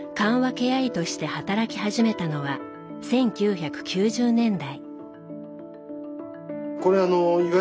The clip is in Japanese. ケア医として働き始めたのは１９９０年代。